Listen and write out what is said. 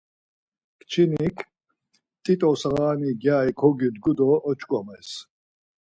Kçinik tito sağani gyari kogyudu do oç̌ǩomez.